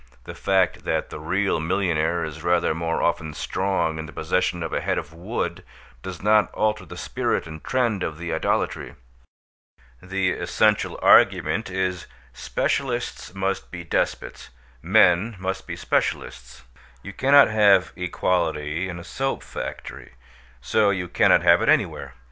The fact that the real millionaire is rather more often strong in the possession of a head of wood, does not alter the spirit and trend of the idolatry. The essential argument is "Specialists must be despots; men must be specialists. You cannot have equality in a soap factory; so you cannot have it anywhere.